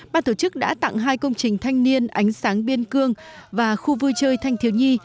ban tổ chức đã tặng hai công trình thanh niên ánh sáng biên cương và khu vui chơi thanh thiếu nhi